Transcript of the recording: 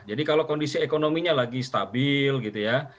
jadi kalau kondisi ekonominya lagi stabil gitu ya